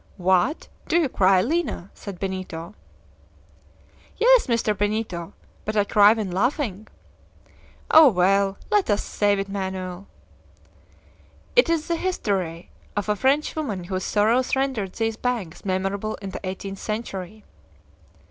"What, do you cry, Lina?" said Benito. "Yes, Mr. Benito; but I cry when laughing." "Oh, well! let us save it, Manoel!" "It is the history of a Frenchwoman whose sorrows rendered these banks memorable in the eighteenth century."